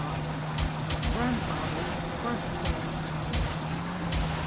* _*GRANDFATHER'S BIRTHDAY.